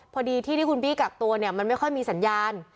พอดีที่ที่คุณบี้กักตัวเนี่ยมันไม่ค่อยมีสัญญาณ